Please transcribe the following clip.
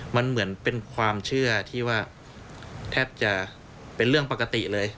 มันเหมือนเป็นความเชื่อที่ว่าแทบจะเป็นเรื่องปกติเลย